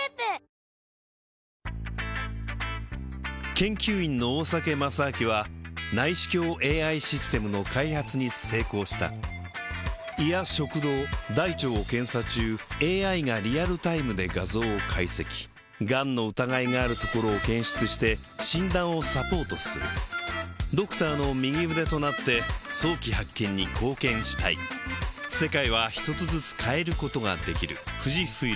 研究員の大酒正明は内視鏡ＡＩシステムの開発に成功した胃や食道大腸を検査中ＡＩがリアルタイムで画像を解析がんの疑いがあるところを検出して診断をサポートするドクターの右腕となって早期発見に貢献したいおや？